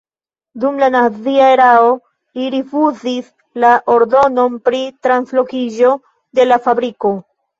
Dum la nazia erao li rifuzis la ordonon pri translokiĝo de la fabriko.